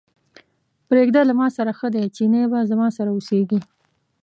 پرېږده له ماسره ښه دی، چينی به زما سره اوسېږي.